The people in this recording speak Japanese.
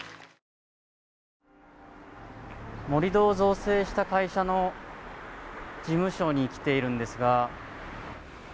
「盛り土を造成した会社の事務所に来ているんですが」。